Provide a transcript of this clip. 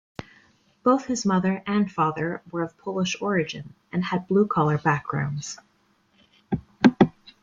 Both his mother and father were of Polish origin and had blue-collar backgrounds.